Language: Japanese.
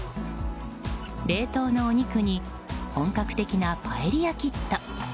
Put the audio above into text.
冷凍のお肉に本格的なパエリアキット。